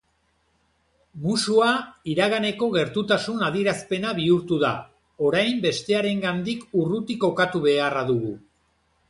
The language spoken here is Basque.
Musua iraganeko gertutasun adierazpena bihurtu da, orain bestearengandik urruti kokatu beharra dugu.